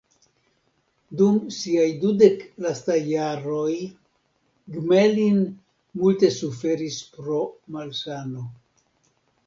Dum siaj dudek lastaj jaroj Gmelin multe suferis pro malsano.